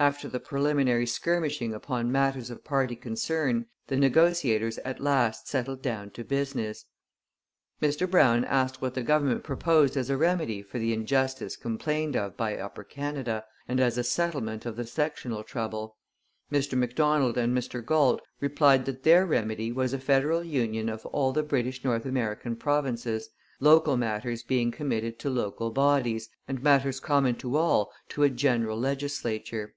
After the preliminary skirmishing upon matters of party concern the negotiators at last settled down to business. Mr Brown asked what the Government proposed as a remedy for the injustice complained of by Upper Canada, and as a settlement of the sectional trouble. Mr Macdonald and Mr Galt replied that their remedy was a Federal Union of all the British North American Provinces; local matters being committed to local bodies, and matters common to all to a General Legislature.